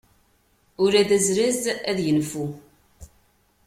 Ula d azlaz ad yenfu.